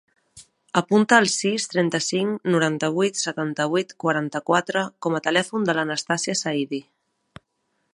Apunta el sis, trenta-cinc, noranta-vuit, setanta-vuit, quaranta-quatre com a telèfon de l'Anastàsia Saidi.